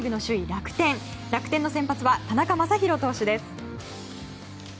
楽天の先発は田中将大投手です。